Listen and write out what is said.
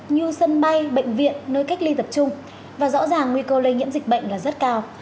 như sân bay bệnh viện nơi cách ly tập trung và rõ ràng nguy cơ lây nhiễm dịch bệnh là rất cao